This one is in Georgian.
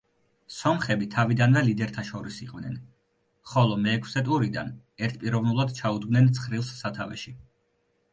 სომხები თავიდანვე ლიდერთა შორის იყვნენ, ხოლო მეექვსე ტურიდან ერთპიროვნულად ჩაუდგნენ ცხრილს სათავეში.